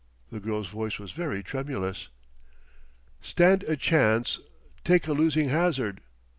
The girl's voice was very tremulous. "Stand a chance, take a losing hazard.